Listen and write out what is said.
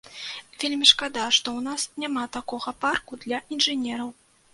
Вельмі шкада, што ў нас няма такога парку для інжынераў.